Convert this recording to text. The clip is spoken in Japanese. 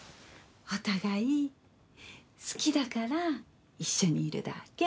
お互い好きだから一緒にいるだけ。